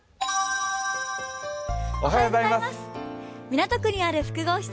港区にある複合施設